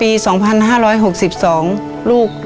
โรค